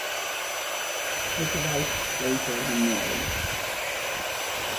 His wife later remarried.